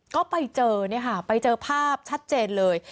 ก็ไปเจอภาพชัดเจนเลย